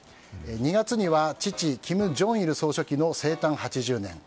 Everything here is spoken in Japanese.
２月には父・金正日総書記の生誕８０年。